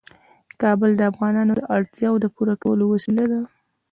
کابل د افغانانو د اړتیاوو د پوره کولو وسیله ده.